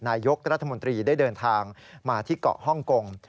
นายกรัฐมนตรีได้เดินทางมาที่เกาะฮ่องกง